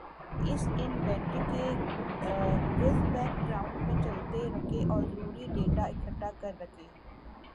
اس ان بیٹری کے گز بیک گراؤنڈ میں چلتے ر گے اور ضروری ڈیٹا اکھٹا کر ر گے